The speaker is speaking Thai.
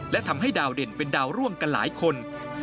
และทำให้ดาวเด่นเป็นดาวร่วมกันหลายคน